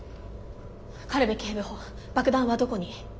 軽部警部補爆弾はどこに？